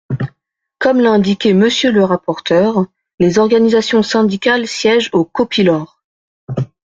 Comme l’a indiqué Monsieur le rapporteur, les organisations syndicales siègent au COPILOR.